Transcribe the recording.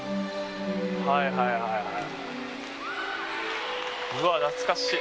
はいはいはいはいはい。